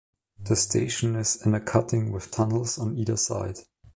The station is in a cutting with tunnels on either side.